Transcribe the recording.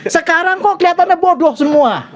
sekarang kok kelihatannya bodoh semua